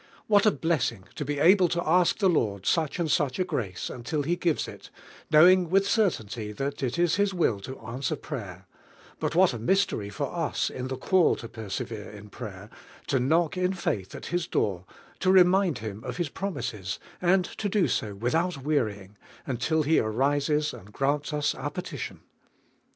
What a blessing to be able to ask the Lord such and such a grace umil Hi sives it, knowing with certainty that it is His will to answer prayer, but what a nivsterv for us in the call to persevere in prayer, to knock in faith ait His door, to remand Him of His promisee, and to do so without weary int; until He arises and grants us our petition!